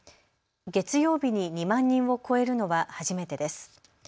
月曜日に２万人を超えるのは初めてです。